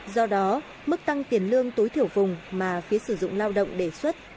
do đó mức tăng tiền lương tối thiểu vùng mà phía sử dụng lao động đề xuất